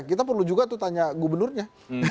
kita perlu juga tuh tanya gubernurnya